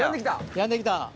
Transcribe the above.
やんできた。